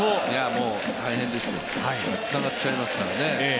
もう大変ですよ、つながっちゃいますからね。